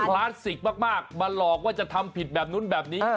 คลาสสิกมากมาหลอกว่าจะทำผิดแบบนู้นแบบนี้